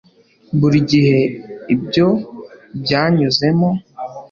buri gihe ibyo byanyuzemo